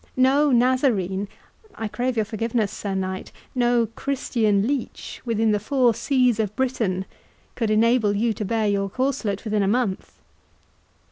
No Nazarene—I crave your forgiveness, Sir Knight—no Christian leech, within the four seas of Britain, could enable you to bear your corslet within a month."